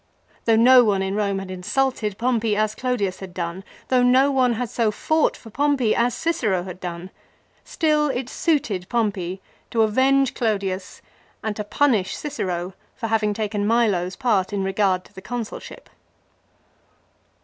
Though no one in Eome had insulted Pompey as Clodius had done, though no one had so fought for Pompey as Cicero had done, still it suited Pompey to avenge Clodius and to punish Cicero for having taken Milo's part in regard to the Consulship.